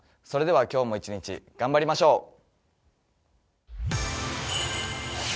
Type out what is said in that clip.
それでは今日も一日頑張りましょう。